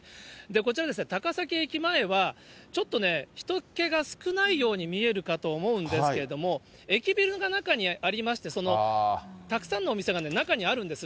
こちらですね、高崎駅前はちょっとね、ひと気が少ないように見えるかと思うんですけれども、駅ビルが中にありまして、たくさんのお店が中にあるんです。